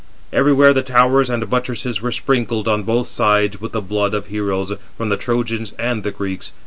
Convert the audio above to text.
Everywhere the towers and buttresses were sprinkled, on both sides, with the blood of heroes, from the Trojans and the Greeks.